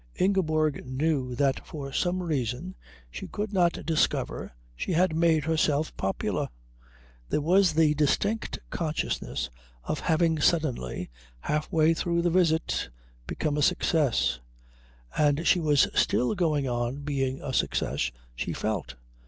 Ingeborg knew that for some reason she could not discover she had made herself popular. There was the distinct consciousness of having suddenly, half way through the visit, become a success. And she was still going on being a success, she felt.